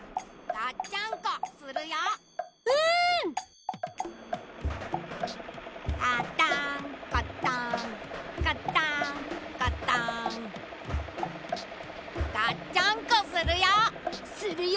がっちゃんこするよ。するよ。